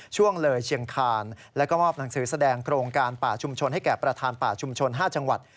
ช่วงเลยเชียงคานแล้วก็มอบหนังสือแสดงโครงการป่าชุมชนให้แก่ประธานป่าชุมชน๕จังหวัด